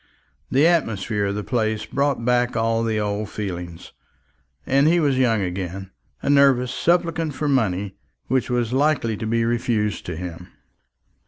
The atmosphere of the place brought back all the old feelings, and he was young again, a nervous supplicant for money, which was likely to be refused to him.